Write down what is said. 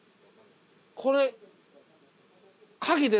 これ。